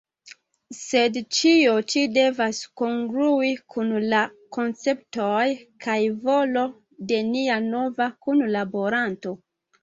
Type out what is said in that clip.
Sed ĉio ĉi devas kongrui kun la konceptoj kaj volo de nia nova kunlaboranto.